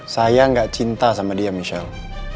saya nggak cinta sama dia michelle